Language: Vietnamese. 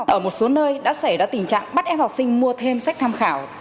ở một số nơi đã xảy ra tình trạng bắt em học sinh mua thêm sách tham khảo